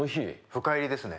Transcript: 深煎りですね。